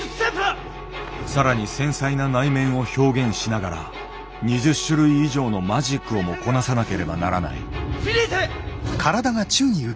更に繊細な内面を表現しながら２０種類以上のマジックをもこなさなければならない。